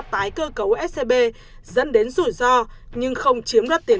tái cơ cấu scb dẫn đến rủi ro nhưng không chiếm đoạt tiền